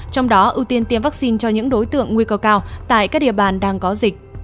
trong đó ưu tiên tiêm vaccine cho những đối tượng nguy cơ cao tại các địa bàn đang có dịch